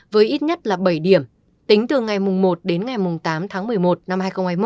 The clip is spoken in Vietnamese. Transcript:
với ít nhất là bảy điểm tính từ ngày một đến ngày tám tháng một mươi một năm hai nghìn hai mươi một